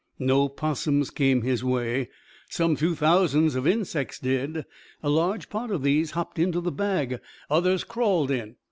No 'possums came his way. Some few thousands of insects did. A large part of these hopped into the bag. Others crawled in.